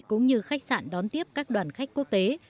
cũng như khách sạn đón tiếp các đoàn khách quốc tế